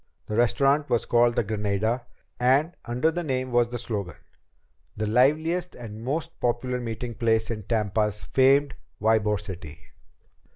The restaurant was called the Granada, and under the name was the slogan: "The liveliest and most popular meeting place in Tampa's famed Ybor City."